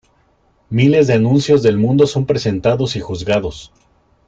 Miles de anuncios del mundo son presentados y juzgados.